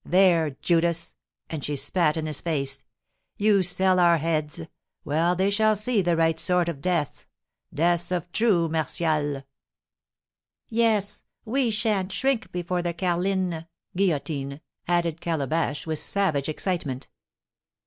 There, Judas!" and she spat in his face. "You sell our heads! Well, they shall see the right sort of deaths, deaths of true Martials!" "Yes; we shan't shrink before the carline (guillotine)," added Calabash, with savage excitement.